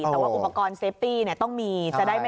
แต่ว่าอุปกรณ์เซฟตี้เนี่ยต้องมี